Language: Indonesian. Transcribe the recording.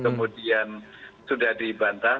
kemudian sudah dibantah